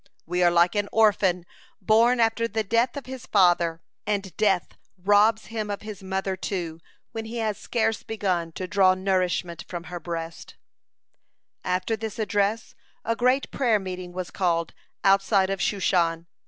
We are like an orphan born after the death of his father, and death robs him of his mother, too, when he has scarce begun to draw nourishment from her breast." After this address a great prayer meeting was called outside of Shushan.